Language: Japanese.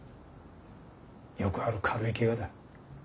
よくある軽い怪我だ。